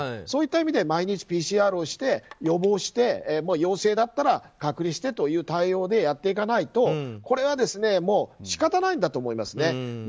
そういった意味で毎日ＰＣＲをして予防して陽性だったら隔離してという対応でやっていかないとこれは仕方ないんだと思います。